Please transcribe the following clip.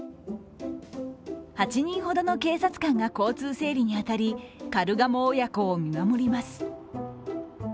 ８人ほどの警察官が交通整理に当たりカルガモ親子を見守ります。